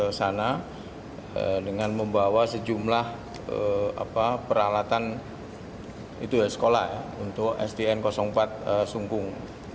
ke sana dengan membawa sejumlah peralatan sekolah untuk sdn empat sungkung